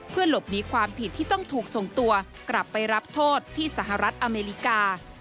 เพื่อหลบหนีความผิดที่ต้องถูกส่งตัวกลับไปรับโทษที่สหรัฐอเมริกา